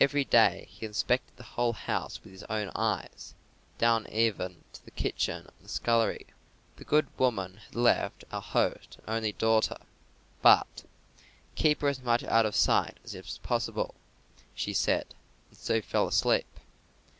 Every day he inspected the whole house with his own eyes, down even to the kitchen and the scullery. The good woman had left our host an only daughter; but, "Keep her as much out of sight as is possible," she said, and so fell asleep.